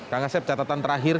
kak ngasheb catatan terakhir